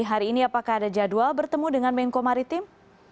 hari ini apakah ada jadwal bertemu dengan menko maritim